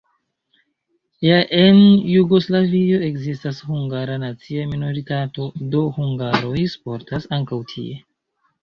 Ja en Jugoslavio ekzistas hungara nacia minoritato, do, hungaroj sportas ankaŭ tie.